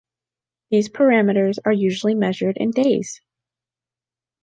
These parameters are usually measured in days.